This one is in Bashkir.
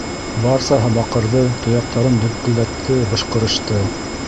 Барсаһы баҡырҙы, тояҡтарын дөңкөлдәтте, бышҡырышты.